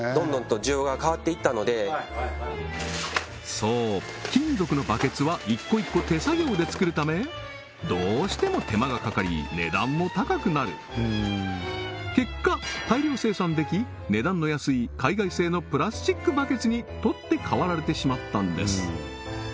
そう金属のバケツは一個一個手作業で作るためどうしても手間がかかり値段も高くなる結果大量生産でき値段の安い海外製のプラスチックバケツに取って代わられてしまったんです